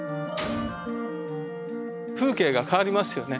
風景が変わりますよね。